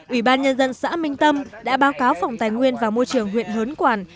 ủy ban nhân dân xã minh tâm đã báo cáo phòng tài nguyên và môi trường huyện hớn quản